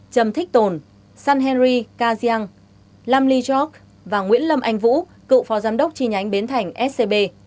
trầm thích tồn san henry kha giang lam ly chok và nguyễn lâm anh vũ cựu phó giám đốc chi nhánh bến thành scb